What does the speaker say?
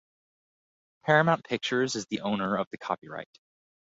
Paramount Pictures is the owner of the copyright.